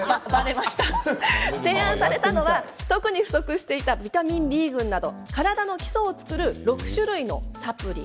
提案されたのは特に不足していたビタミンＢ群など体の基礎を作る６種類のサプリ。